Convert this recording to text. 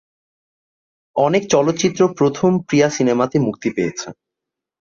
অনেক চলচ্চিত্র প্রথম প্রিয়া সিনেমাতে মুক্তি পেয়েছে।